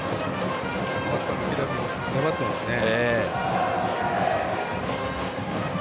バッターの木田君粘ってますね。